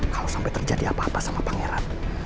kalau sampai terjadi apa apa sama pangeran